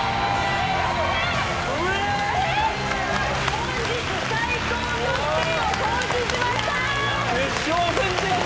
本日最高得点を更新しました。